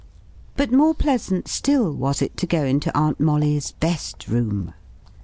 But more pleasant still was it to go into Aunt Molly's "best room."